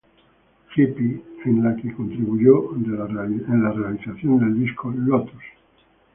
Hippie", en la que contribuyó en la realización del disco "Lotus".